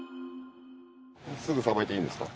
すぐさばいていいんですか？